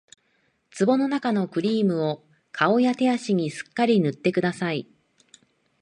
壺のなかのクリームを顔や手足にすっかり塗ってください